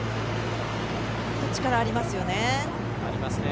力がありますよね。